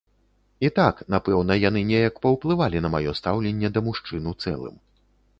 І так, напэўна, яны неяк паўплывалі на маё стаўленне да мужчын у цэлым.